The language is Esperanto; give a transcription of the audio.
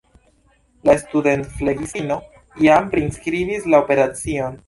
La studentflegistino jam priskribis la operacion.